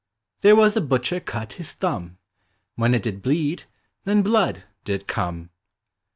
There was a butcher cut his thumb. When it did bleed, then blood did come.